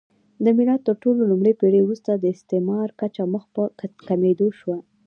د میلاد تر لومړۍ پېړۍ وروسته د استعمل کچه مخ په کمېدو شوه